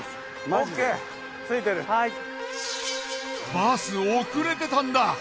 バス遅れてたんだ。